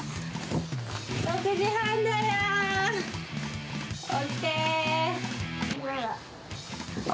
６時半だよ。